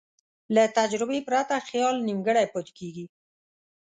له تجربې پرته خیال نیمګړی پاتې کېږي.